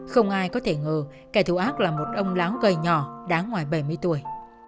không ai có thể ngờ kẻ thù ác là một ông láo gầy nhỏ đã ngoài bảy mươi tuổi